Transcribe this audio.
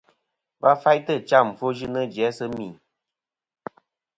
Va faytɨ cham ɨfwoyɨnɨ jæ sɨ mì.